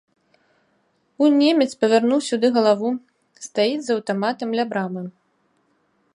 Унь немец павярнуў сюды галаву, стаіць з аўтаматам ля брамы.